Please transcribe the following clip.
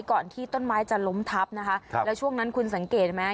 ก่อนที่ต้นไม้จะล้มทับนะคะครับแล้วช่วงนั้นคุณสังเกตไหม